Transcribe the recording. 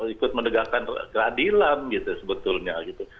ikut menegakkan keadilan gitu sebetulnya gitu